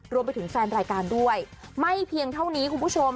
รวมไปถึงแฟนรายการด้วยไม่เพียงเท่านี้คุณผู้ชม